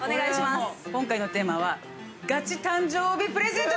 今回のテーマはガチ誕生日プレゼントです！